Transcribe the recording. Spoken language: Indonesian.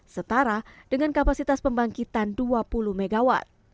setara dengan kapasitas pembangkitan dua puluh mw